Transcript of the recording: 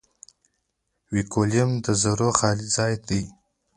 ویکیوم د ذرّو خالي ځای دی.